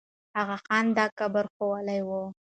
آغا خان دا قبر ښوولی وو.